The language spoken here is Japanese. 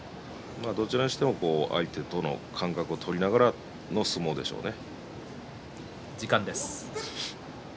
どちらにしても相手との間隔を取っての相撲でしょうね。